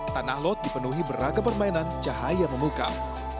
tanah lot dipenuhi beragam permainan cahaya memukau